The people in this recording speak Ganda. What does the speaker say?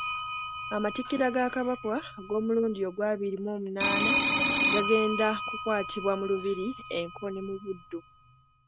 Amatikkira ga Kabaka ag'omulundi ogw'abiri mu munaana gagenda kukwatibwa mu Lubiri e Nkoni mu Buddu.